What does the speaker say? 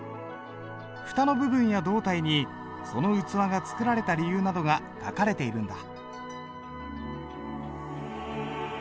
蓋の部分や胴体にその器が作られた理由などが書かれているんだ。